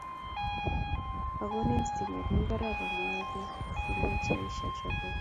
Ongni sitimet mi barak omwoe Bek, kimwoch Aisha chorwenyi